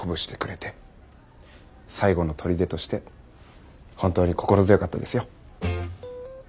最後の砦として本当に心強かったですよ。